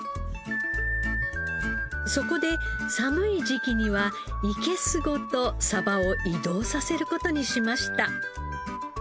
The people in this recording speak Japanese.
そこで寒い時期にはいけすごとサバを移動させる事にしました。